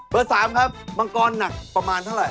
เบอร์๓ครับมังกรหนักประมาณเท่าไร